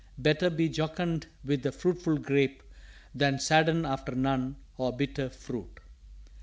Better be jocund with the fruitful Grape Than sadden after none, or bitter, Fruit.